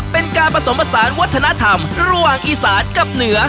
เป็นการผสมผสานวัฒนธรรมระหว่างอีสานกับเหนือ